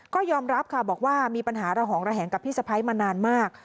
ก็ยอมรับค่ะบอกว่ามีปัญหาระหองระแหงกับพี่สะพ้ายมานานมาก